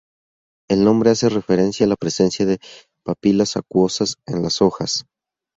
El nombre hace referencia a la presencia de papilas acuosas en las hojas.